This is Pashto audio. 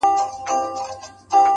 منظور پښتین ته:-